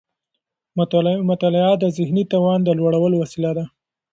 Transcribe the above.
مطالعه د ذهني توان د لوړولو وسيله ده.